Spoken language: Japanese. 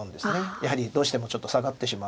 やはりどうしてもちょっと下がってしまうので。